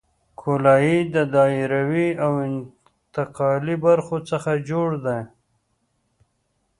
ګولایي د دایروي او انتقالي برخو څخه جوړه ده